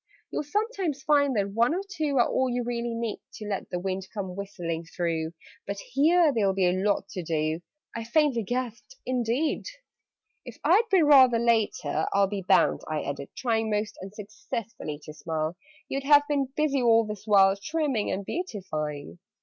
"You'll sometimes find that one or two Are all you really need To let the wind come whistling through But here there'll be a lot to do!" I faintly gasped "Indeed! "If I'd been rather later, I'll Be bound," I added, trying (Most unsuccessfully) to smile, "You'd have been busy all this while, Trimming and beautifying?"